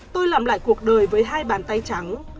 tôi làm lại cuộc đời với hai bàn tay trắng